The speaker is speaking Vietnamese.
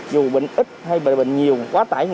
dù bệnh ít hay bệnh nhiều quá tải